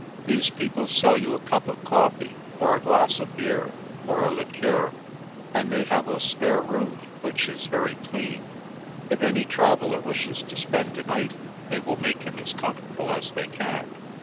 These people sell you a cup of coffee, or a glass of beer, or of liqueur, and they have a spare room, which is very clean. If any traveller wishes to spend a night, they will make him as comfortable as they can.